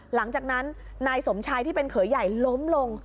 หลังจากนั้นนายสมชายที่เป็นเขยใหญ่ล้มลง